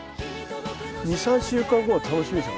２３週間後が楽しみですよ